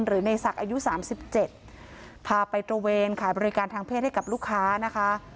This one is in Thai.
หรือในศักดิ์อายุสามสิบเจ็ดพาไปตระเวนขายบริการทางเพศให้กับลูกค้านะคะ